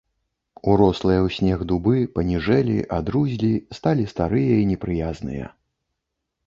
Урослыя ў снег дубы паніжэлі, адрузлі, сталі старыя і непрыязныя.